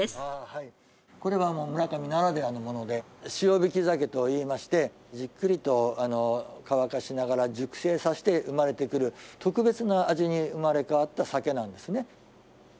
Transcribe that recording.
これは村上ならではのもので塩引き鮭といいましてじっくりと乾かしながら熟成させて生まれてくる特別な味に生まれ変わったサケなんですね。